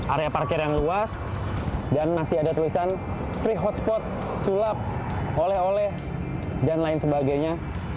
area parkir yang luas dan masih ada tulisan free hotspot sulap oleh oleh dan lain sebagainya